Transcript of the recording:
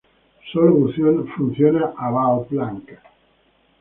Sólo funciona "about:blank".